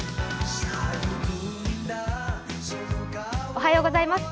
おはようございます。